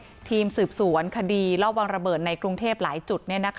พร้อมด้วยทีมสืบศวรคดีรอบวางระเบินในกรุงเทพฯหลายจุด